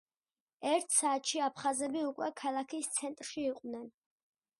ერთ საათში აფხაზები უკვე ქალაქის ცენტრში იყვნენ.